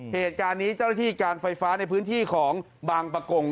เหตุการณ์นี้เจ้าหน้าที่การไฟฟ้าในพื้นที่ของบางประกง